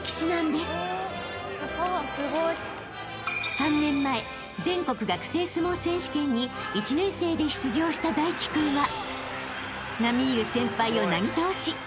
［３年前全国学生相撲選手権に１年生で出場した泰輝君は並み居る先輩をなぎ倒し優勝］